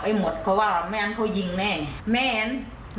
ให้ยืมแต่ว่าเขาก็ไม่ได้คืนแม่มา